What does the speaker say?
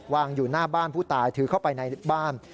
อยู่หน้าบ้านผู้ตายถือเข้าไปในบ้าน